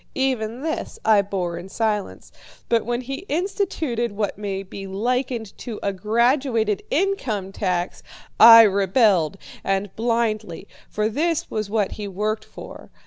Even this I bore in silence, but when he instituted what may be likened to a graduated income tax, I rebelled, and blindly, for this was what he worked for.